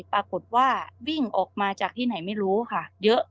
ปรากฏว่าวิ่งออกมาจากที่ไหนไม่รู้ค่ะเยอะ